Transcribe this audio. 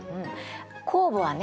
酵母はね